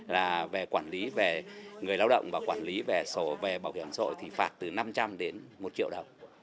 là về quản lý về người lao động và quản lý về sổ về bảo hiểm xã hội thì phạt từ năm trăm linh đến một triệu đồng